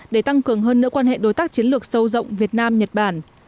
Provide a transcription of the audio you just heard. để tăng cường hơn nữa quan hệ đối tác chiến lược sâu rộng việt nam nhật bản